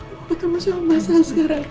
aku ketemu sama mas al sekarang